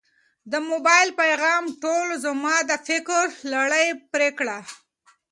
د موبایل د پیغام ټون زما د فکر لړۍ پرې کړه.